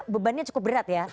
bebannya cukup berat ya